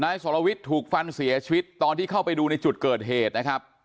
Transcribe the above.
สรวิทย์ถูกฟันเสียชีวิตตอนที่เข้าไปดูในจุดเกิดเหตุนะครับ